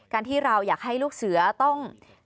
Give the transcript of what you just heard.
ที่เราอยากให้ลูกเสือต้อง